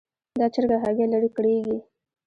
دا چرګه هګۍ لري؛ کړېږي.